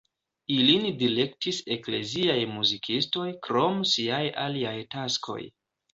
Ilin direktis ekleziaj muzikistoj krom siaj aliaj taskoj.